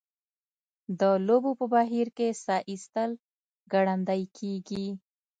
د لوبو په بهیر کې ساه ایستل ګړندۍ کیږي.